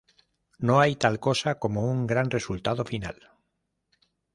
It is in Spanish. No hay tal cosa como un gran resultado final'".